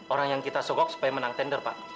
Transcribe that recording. orang yang kita sogok supaya menang tender pak